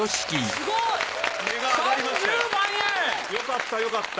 よかったよかった。